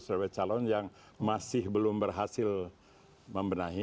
sebagai calon yang masih belum berhasil membenahi